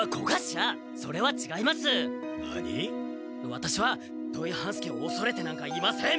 ワタシは土井半助をおそれてなんかいません！